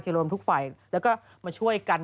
รวมทุกฝ่ายแล้วก็มาช่วยกัน